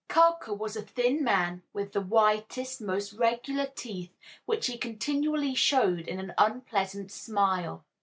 Carker was a thin man, with the whitest, most regular teeth, which he continually showed in an unpleasant smile.